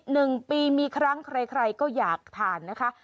หนึ่งปีมีครั้งใครใครก็อยากทานนะคะ